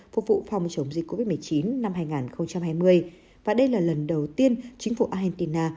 phục vụ phòng chống dịch covid một mươi chín năm hai nghìn hai mươi và đây là lần đầu tiên chính phủ argentina